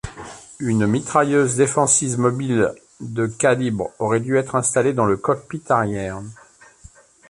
Une mitrailleuse défensive mobile de calibre aurait dû être installée dans le cockpit arrière.